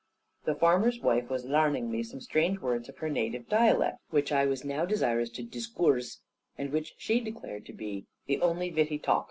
The farmer's wife was "larning" me some strange words of her native dialect, which I was now desirous to "discoorse," and which she declared to be "the only vitty talk.